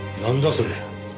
それ。